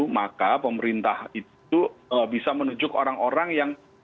maka pemerintah itu bisa menunjuk orang orang yang